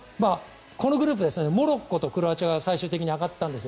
このグループモロッコとクロアチアが最終的に上がったんですよ。